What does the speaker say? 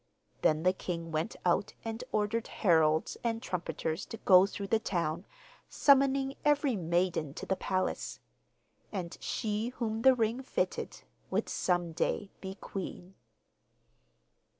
Then the king went out and ordered heralds and trumpeters to go through the town, summoning every maiden to the palace. And she whom the ring fitted would some day be queen.